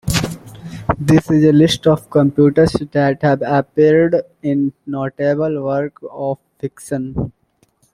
This is a list of computers that have appeared in notable works of fiction.